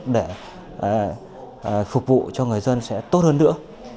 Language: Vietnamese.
để phục vụ cho người dân sẽ tốt hơn nữa